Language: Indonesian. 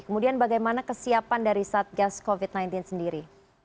kemudian bagaimana kesiapan dari satgas covid sembilan belas sendiri